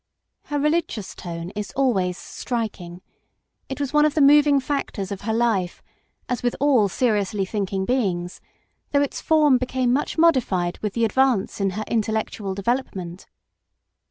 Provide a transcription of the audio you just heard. Her religious tone is always striking ; it was one of the moving factors of her life, as with all seriously thinking beings, though its form became much modified with the advance in her intellectual development.